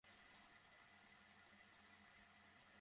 এখন সেই কোচগুলো থেকে ঠান্ডা হাওয়ার পরিবর্তে যেন গরম বাতাস বের হয়।